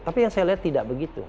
tapi yang saya lihat tidak begitu